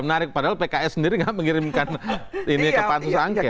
menarik padahal pks sendiri tidak mengirimkan ini ke pak ansus angket